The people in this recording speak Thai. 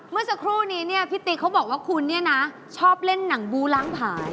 เมื่อสักครู่นี้เนี่ยพี่ติ๊กเขาบอกว่าคุณเนี่ยนะชอบเล่นหนังบูล้างถ่าย